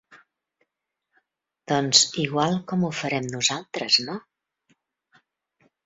Doncs igual com ho farem nosaltres, no?